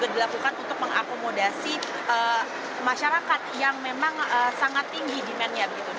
ini tentunya juga dilakukan untuk mengakomodasi masyarakat yang memang sangat tinggi demandnya